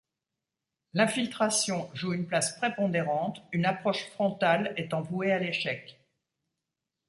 L'infiltration joue une place prépondérante, une approche frontale étant voué à l'échec.